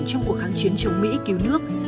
trong cuộc kháng chiến chống mỹ cứu nước